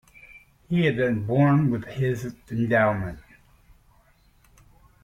He had been born with this endowment.